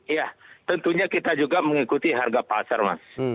ya tentunya kita juga mengikuti harga pasar mas